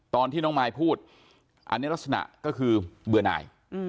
ตอนที่น้องมายพูดอันนี้ลักษณะก็คือเบื่อหน่าย